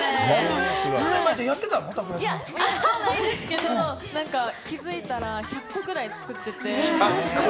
やってたことはないんですけれども、気づいたら１００個ぐらい作ってて。